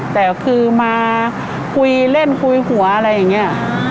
แต่คือมาคุยเล่นคุยหัวอะไรอย่างนี้